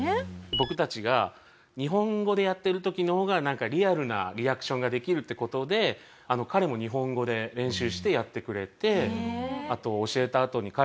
僕たちが日本語でやってる時の方がなんかリアルなリアクションができるって事で彼も日本語で練習してやってくれて。